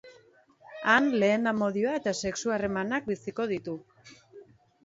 Han lehen amodioa eta sexu-harremanak biziko ditu.